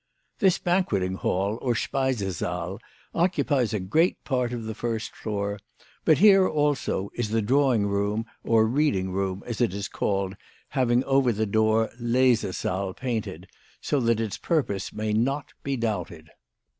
This banqueting hall, or Speise Saal, occupies a great part of the first floor; but here also is the drawing room, or reading room, as it is called, having over the door " Lese Saal " painted, so that its purpose may not be doubted.